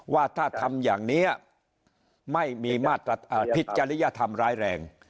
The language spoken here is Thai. ว่าถ้าทำอย่างนี้ไม่มีมาตรผิดจริยธรรมร้ายแรง